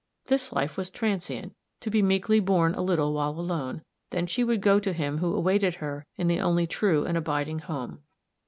This life was transient to be meekly borne a little while alone then she would go to him who awaited her in the only true and abiding home.